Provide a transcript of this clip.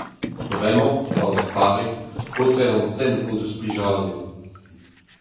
Bremañ, pa oc’h pare, paotred an tenn o deus plijadur.